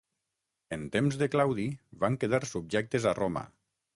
En temps de Claudi van quedar subjectes a Roma.